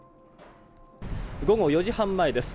午後４時半前です。